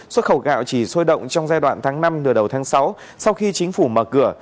xuất khẩu gạo chỉ sôi động trong giai đoạn tháng năm nửa đầu tháng sáu sau khi chính phủ mở cửa